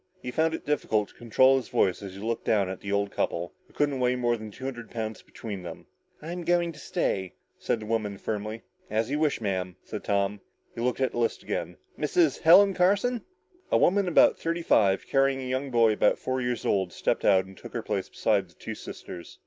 He found it difficult to control his voice as he looked down at the old couple, who couldn't weigh more than two hundred pounds between them. "I'm going to stay," said the woman firmly. "As you wish, Madam," said Tom. He looked at the list again. "Mrs. Helen Carson?" A woman about thirty five, carrying a young boy about four years old, stepped out and took her place beside the two sisters.